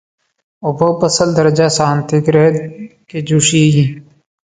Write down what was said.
اوبه په سل درجه سانتي ګریډ کې جوشیږي